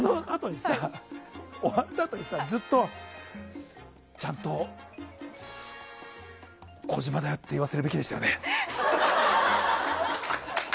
終わったあとにずっと、ちゃんと児嶋だよ！って言わせるべきでしたよね。